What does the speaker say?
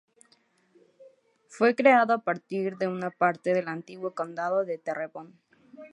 Fue creado a partir de una parte del antiguo condado de Terrebonne.